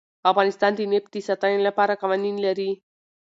افغانستان د نفت د ساتنې لپاره قوانین لري.